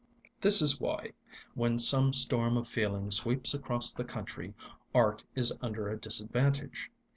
This is why, when some storm of feeling sweeps across the country, art is under a disadvantage.